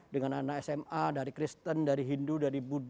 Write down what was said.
dengan anak sma dari kristen dari hindu dari buddha